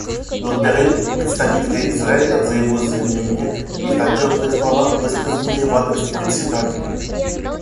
Благодарю представителя Израиля за его заявление и за теплые слова, высказанные в адрес Председателя.